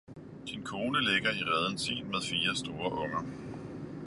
Din kone ligger i reden sinmed fire store unger